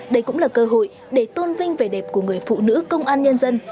đây cũng là cơ hội để tôn vinh vẻ đẹp của người phụ nữ công an nhân dân